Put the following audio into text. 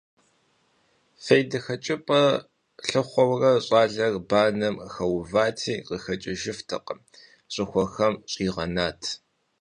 ФейдэхэкӀыпӀэ лъыхъуэурэ, щӀалэр банэм хэувати, къыхэкӀыжыфтэкъым, щӀыхуэм щӀигъэнат.